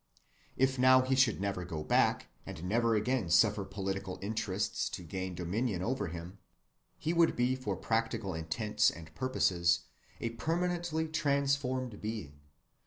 If now he should never go back, and never again suffer political interests to gain dominion over him, he would be for practical intents and purposes a permanently transformed being.